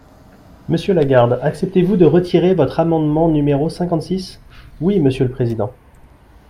Monsieur Lagarde, acceptez-vous de retirer votre amendement numéro cinquante-six ? Oui, monsieur le président.